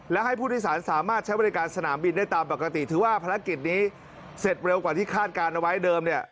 และให้ผู้โดยสารสามารถใช้บริการสนามบินได้ตามปกติถือว่าภารกิจนี้เสร็จเร็วกว่าที่คาดการณ์เอาไว้เดิมเนี่ย